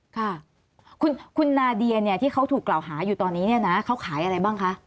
ค่ะคุณนาเดียที่เขาถูกกล่าวหาอยู่ตอนนี้เขาขายอะไรบ้างคะ